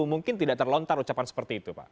mungkin tidak terlontar ucapan seperti itu pak